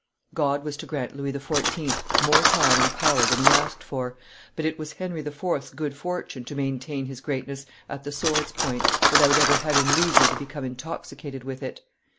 God was to grant Louis XIV. more time and power than he asked for, but it was Henry IV.'s good fortune to maintain his greatness at the sword's point, without ever having leisure to become intoxicated with it.